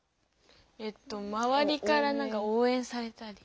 えっとまわりからおうえんされたり。